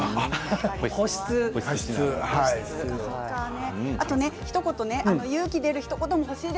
保湿ですね。